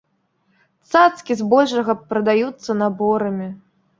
Цацкі збольшага прадаюцца наборамі.